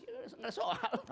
tidak ada soal